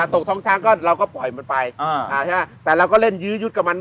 ตกท้องช้างก็เราก็ปล่อยมันไปแต่เราก็เล่นยื้อยุดกับมัน